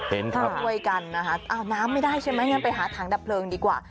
เห็นครับหาด้วยกันนะน้ำไม่ได้ใช่ไหมงั้นไปหาถังดับเผลิงดีกว่า